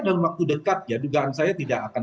dalam waktu dekat ya dugaan saya tidak akan